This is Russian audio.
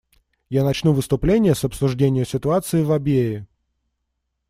Я начну выступление с обсуждения ситуации в Абьее.